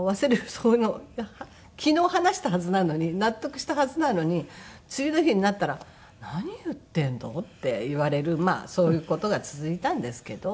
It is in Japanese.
昨日話したはずなのに納得したはずなのに次の日になったら「何言ってるの？」って言われるそういう事が続いたんですけど。